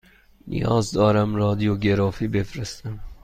نیاز دارم رادیوگرافی بفرستم.